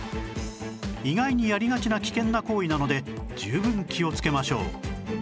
意外にやりがちな危険な行為なので十分気をつけましょう